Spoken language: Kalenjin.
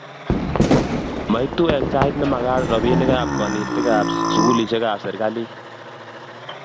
maitu eng' sait ne mekat robinikab konetikab sukulisiekab serikalit